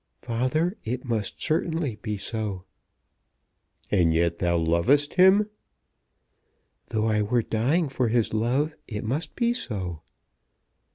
"Father, it must certainly be so." "And yet thou lovest him?" "Though I were dying for his love it must be so."